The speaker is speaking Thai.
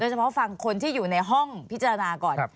เฉพาะฟังคนที่อยู่ในห้องพิจารณาก่อน